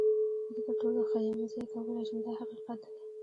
زه تر ټولو ښه یم، زه یې کولی شم دا حقیقت دی.